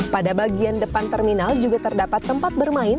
pada bagian depan terminal juga terdapat tempat bermain